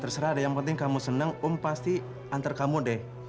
terserah deh yang penting kamu seneng om pasti antar kamu deh